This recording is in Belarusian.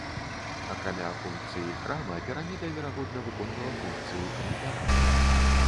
Акрамя функцыі храма піраміда, верагодна, выконвала функцыю календара.